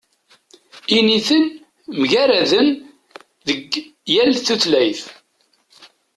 Initen mgaraden deg tal tutlayt.